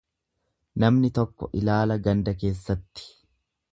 Namni tokko ilaala ganda keessatti.